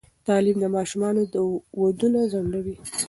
تعلیم د ماشومانو ودونه ځنډوي.